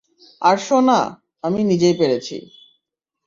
আর সোনা, আমি নিজেই পেরেছি।